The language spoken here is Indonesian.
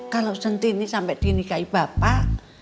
kalau sentini sampai dinikahi bapak